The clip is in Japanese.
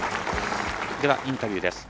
インタビューです。